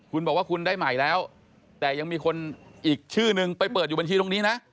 คุณบอกว่าคุณได้ใหม่แล้วแต่ยังมีคนอีกชื่อนึงไปเปิดอยู่บัญชีตรงนี้นะ